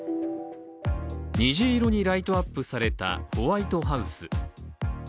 虹色にライトアップされたホワイトハウス。